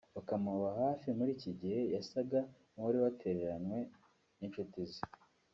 bakamuba hafi muri iki gihe yasaga n’uwari watereranywe n’inshuti ze